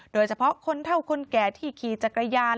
โดยเฉพาะคนเท่าคนแก่ที่ขี่จักรยาน